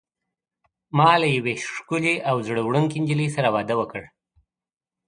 ما له یوې ښکلي او زړه وړونکي نجلۍ سره واده وکړ.